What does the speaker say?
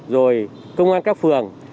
rồi công an các phường